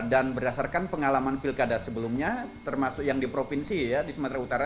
dan berdasarkan pengalaman pilkada sebelumnya termasuk yang di provinsi di sumatera utara